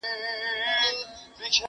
کرنه د زده کړې وړ دی.